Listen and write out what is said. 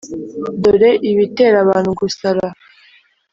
dore i bitera abantu gusara.